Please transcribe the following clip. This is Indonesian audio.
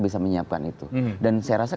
bisa menyiapkan itu dan saya rasa